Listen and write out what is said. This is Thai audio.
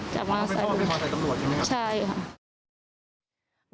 จับมอเตอร์ไซค์ไม่พอใส่ตำรวจจริงไหมค่ะใช่ค่ะ